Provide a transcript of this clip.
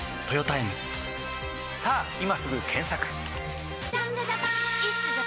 さぁ今すぐ検索！